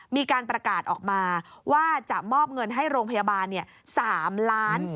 มีการประกาศออกมาว่าจะมอบเงินให้โรงพยาบาล๓ล้าน